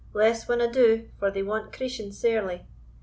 less winna do, for they want creishing sairly.